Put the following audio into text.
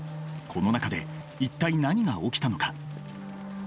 この中で一体何が起きたのか？